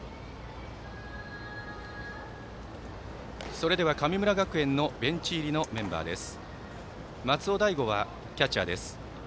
それでは、神村学園のベンチ入りのメンバーです。